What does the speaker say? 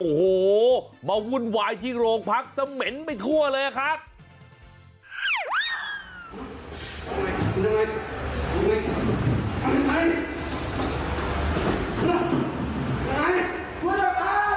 โอ้โหมาวุ่นวายที่โรงพักเสม็นไปทั่วเลยครับ